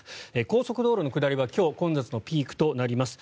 高速道路の下りは今日混雑のピークとなります。